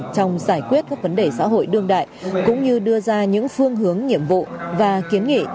trong giải quyết các vấn đề xã hội đương đại cũng như đưa ra những phương hướng nhiệm vụ và kiến nghị